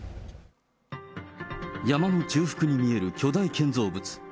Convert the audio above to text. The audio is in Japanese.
山の中腹に見える巨大建造物。